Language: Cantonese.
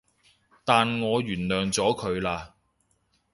但我原諒咗佢喇